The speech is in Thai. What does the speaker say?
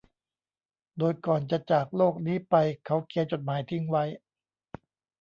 โดยก่อนจะจากโลกนี้ไปเขาเขียนจดหมายทิ้งไว้